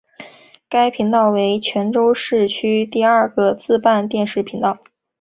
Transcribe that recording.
该频道为泉州市区第二个自办电视频道。